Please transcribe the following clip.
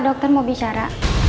dokter mau bicara